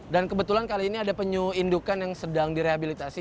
dan kebetulan kali ini ada penyu indukan yang sedang direhabilitasi